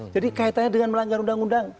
jadi kaitannya dengan melanggar undang undang